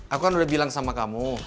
aku kan udah bilang sama kamu